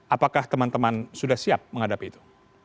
apakah teman teman sudah siap menghadapi itu